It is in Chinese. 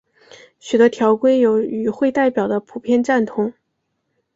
许多规条有与会代表的普遍赞同。